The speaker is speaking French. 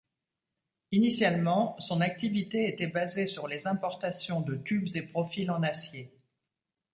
Initialement, son activité était basée sur les importations de tubes et profils en acier.